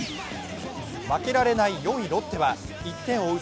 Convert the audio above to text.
負けられない４位・ロッテは１点を追う